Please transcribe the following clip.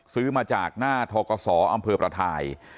ซื้อมาจากหน้าทกศอำเภอประทาย